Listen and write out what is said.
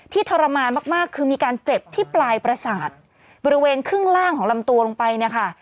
ทรมานมากคือมีการเจ็บที่ปลายประสาทบริเวณครึ่งล่างของลำตัวลงไปเนี่ยค่ะ